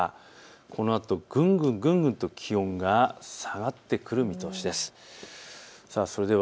このあとぐんぐんぐんぐんと気温が下がってくる見通しです。